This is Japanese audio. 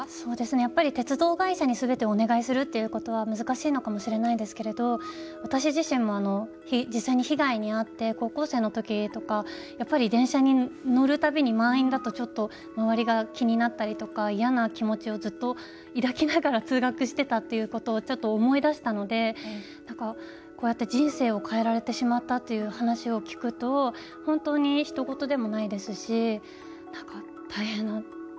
やっぱり鉄道会社にすべてお願いするっていうことは難しいのかもしれないですけれど私自身も、実際に被害にあって高校生のときとか、やっぱり電車に乗るたびに満員だとちょっと周りが気になったりとか嫌な気持ちをずっと抱きながら通学してたっていうことをちょっと思い出したのでこうやって人生を変えられてしまったという話を聞くと本当に、ひと事でもないですし何か大変な。